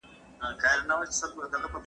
له سپکاوي ډډه وکړئ.